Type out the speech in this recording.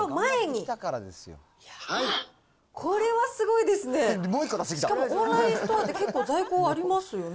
しかもオンラインストアって、結構在庫ありますよね。